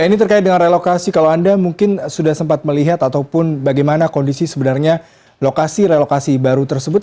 ini terkait dengan relokasi kalau anda mungkin sudah sempat melihat ataupun bagaimana kondisi sebenarnya lokasi relokasi baru tersebut